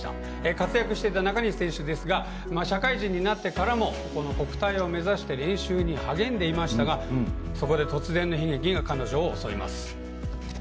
活躍していた中西選手ですが社会人になってからも国体を目指して練習に励んでいましたがそこで突然の悲劇が彼女を襲います。